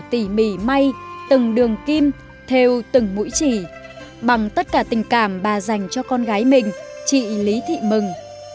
tỉ mỉ may từng đường kim theo từng mũi chỉ bằng tất cả tình cảm bà dành cho con gái mình chị lý thị mừng